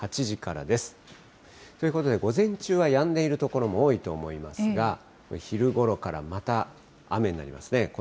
８時からです。ということで、午前中はやんでいる所も多いと思いますが、これ、昼ごろからまた雨になりますね。